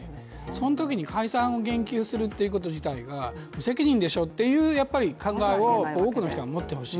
そのときに解散を言及するということ自体が、無責任でしょという考えを多くの人が持っています。